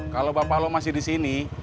kalo bapak lu masih disini